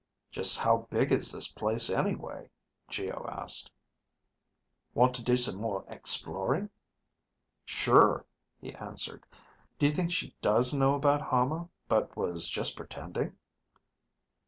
"Just how big is this place anyway?" Geo asked. "Want to do some more exploring?" "Sure," he answered. "Do you think she does know about Hama but was just pretending?"